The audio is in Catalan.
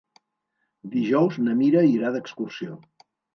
Dijous na Mira irà d'excursió.